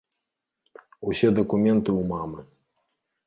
Усе дакументы ў мамы.